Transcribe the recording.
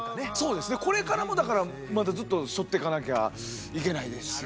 これからもだからまだずっと背負っていかなきゃいけないですし。